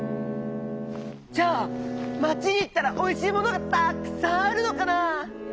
じゃあ町にいったらおいしいものがたっくさんあるのかな？